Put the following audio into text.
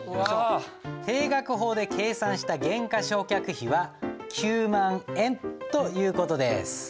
定額法で計算した減価償却費は９万円という事です。